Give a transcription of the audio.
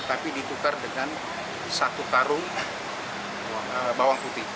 tapi ditukar dengan satu karung bawang putih